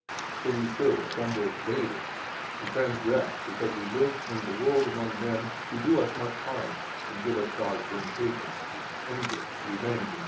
For we still stumble daily and transgress because we live in the world among men who do us much harm and give us cause for impatience, anger, revenge, etc.